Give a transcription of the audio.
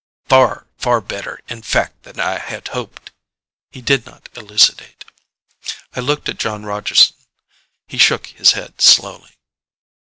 "Far, far better, in fact, than I had hoped." He did not elucidate. I looked at Jon Rogeson. He shook his head slowly.